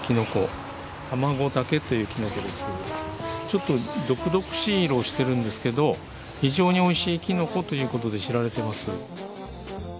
ちょっと毒々しい色をしてるんですけど非常においしいきのこということで知られてます。